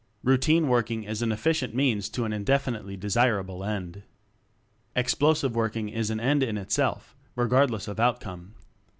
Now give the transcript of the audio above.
Routine working is an efficient means to an indefinitely desirable end. Explosive Working is an end in itself, regardless of outcome.